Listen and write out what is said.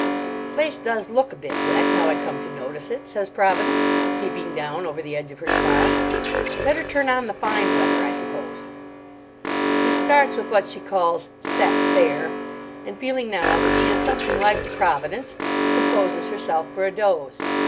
"The place does look a bit wet, now I come to notice it," says Providence, peeping down over the edge of her star. "Better turn on the fine weather, I suppose." She starts with she calls "set fair," and feeling now that she is something like a Providence, composes herself for a doze.